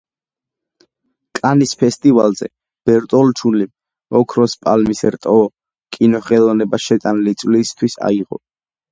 კანის ფესტივალზე ბერტოლუჩიმ „ოქროს პალმის რტო“ კინოხელოვნებაში შეტანილი წვლილისთვის აიღო.